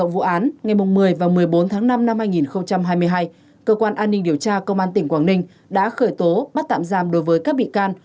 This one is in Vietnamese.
vào một mươi bốn tháng năm năm hai nghìn hai mươi hai cơ quan an ninh điều tra công an tỉnh quảng ninh đã khởi tố bắt tạm giam đối với các bị can